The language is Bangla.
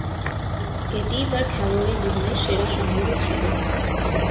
এটিই তার খেলোয়াড়ী জীবনের সেরা সংগ্রহ ছিল।